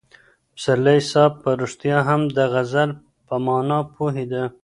پسرلي صاحب په رښتیا هم د غزل په مانا پوهېده.